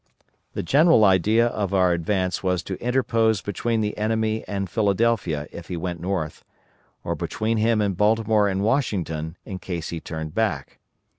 The general idea of our advance was to interpose between the enemy and Philadelphia if he went north, or between him and Baltimore and Washington in case he turned back.